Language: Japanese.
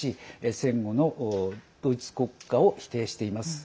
戦後のドイツ国家を否定しています。